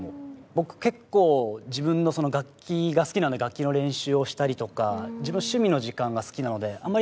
僕結構自分の楽器が好きなんで楽器の練習をしたりとか自分の趣味の時間が好きなのであんまり